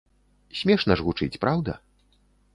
Смешна ж гучыць, праўда?